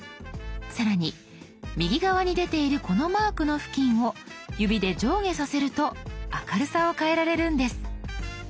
更に右側に出ているこのマークの付近を指で上下させると明るさを変えられるんです。